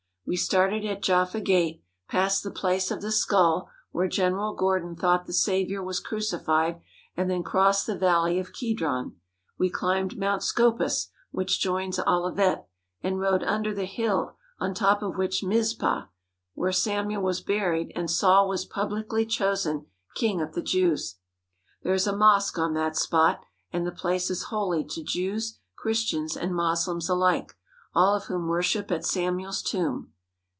We started at Jaffa Gate, passed the Place of the Skull, where General Gor don thought the Saviour was crucified, and then crossed the valley of Kedron. We climbed Mount Scopus, which joins Olivet, and rode under the hill on top of which was Mizpah, where Samuel was buried and Saul was publicly chosen King of the Jews. There is a mosque on that spot and the place is holy to Jews, Christians, and Moslems alike, all of whom worship at Samuel's tomb.